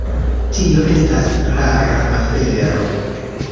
Tio estas klara afero.